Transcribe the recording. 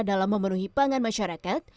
dalam memenuhi pangan masyarakat